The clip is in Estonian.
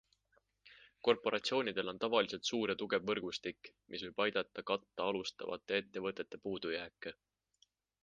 Korporatsioonidel on tavaliselt suur ja tugev võrgustik, mis võib aidata katta alustavate ettevõtete puudujääke.